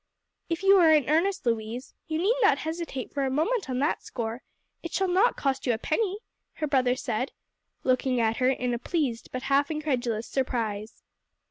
"If you are in earnest, Louise, you need not hesitate for a moment on that score; it shall not cost you a penny," her brother said, looking at her in pleased but half incredulous surprise.